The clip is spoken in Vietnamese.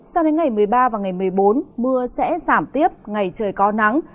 sao đến ngày một mươi ba và ngày một mươi bốn mưa sẽ giảm tiếp ngày trời có nắng